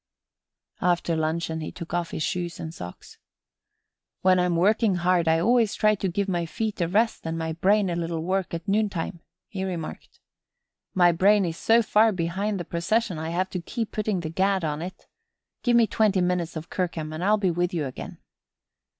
After luncheon he took off his shoes and socks. "When I'm working hard I always try to give my feet a rest and my brain a little work at noontime," he remarked. "My brain is so far behind the procession I have to keep putting the gad on it. Give me twenty minutes of Kirkham and I'll be with you again."